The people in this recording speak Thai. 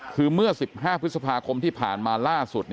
คือเมื่อ๑๕พฤษภาคมที่ผ่านมาล่าสุด